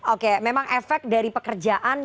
oke memang efek dari pekerjaan